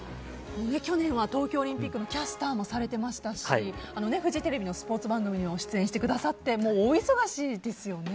去年は東京オリンピックのキャスターもされていましたしフジテレビのスポーツ番組にも出演してくださって大忙しですよね。